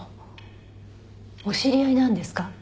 お知り合いなんですか？